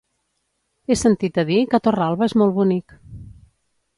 He sentit a dir que Torralba és molt bonic.